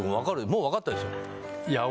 もう分かったでしょ？